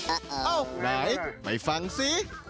อ้าวหลายไม่ฟังสิ